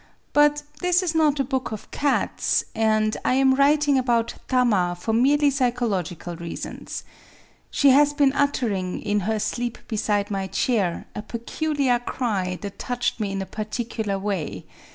But this is not a Book of Cats ; and I am writing about Tama for merely psychological reasons. She has been uttering, in her sleep beside my chair, a pecul iar cry that touched me in a particular way.